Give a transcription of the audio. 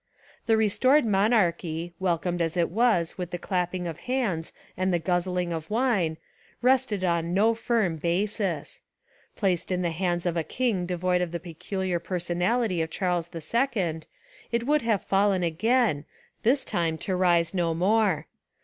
The restored monarchy, welcomed as it was with the clap ping of hands and the guzzling of wine, rested on no firm basis. Placed in the hands of a king devoid of the peculiar personality of Charles II, it would have fallen again, this time to rise no more.